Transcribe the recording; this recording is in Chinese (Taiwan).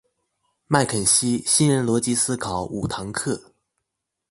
麥肯錫新人邏輯思考五堂課